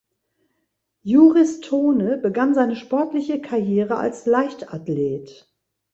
Juris Tone begann seine sportliche Karriere als Leichtathlet.